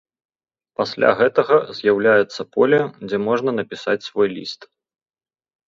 Пасля гэтага з'яўляецца поле, дзе можна напісаць свой ліст.